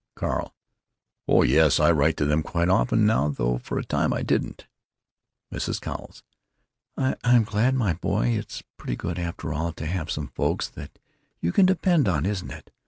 Carl: "Oh yes, I write to them quite often, now, though for a time I didn't." Mrs. Cowles: "I'm glad, my boy. It's pretty good, after all, to have home folks that you can depend on, isn't it?